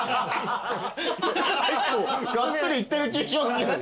結構がっつりいってる気しますけど。